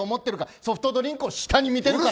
ソフトドリンクを下に見てるから。